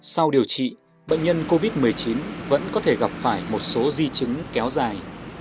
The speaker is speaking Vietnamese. sau điều trị bệnh nhân covid một mươi chín vẫn có thể gặp phải một số di chứng kéo dài